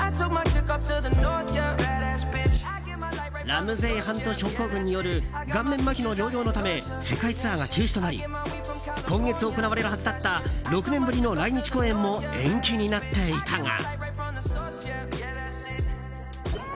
ラムゼイハント症候群による顔面まひの療養のため世界ツアーが中止となり今月行われるはずだった６年ぶりの来日公演も延期になっていたが。